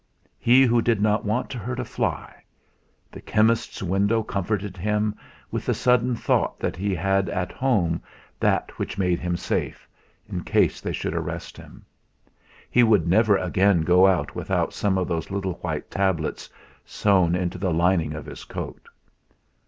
He who did not want to hurt a fly. The chemist's window comforted him with the sudden thought that he had at home that which made him safe, in case they should arrest him. He would never again go out without some of those little white tablets sewn into the lining of his coat.